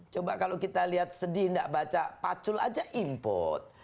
coba kalau kita lihat sedih tidak baca pacul aja input